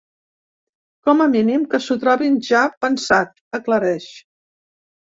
Com a mínim que s’ho trobin ja pensat, aclareix.